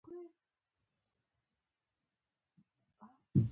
ایا زه تاسو ته زنګ وهلی شم؟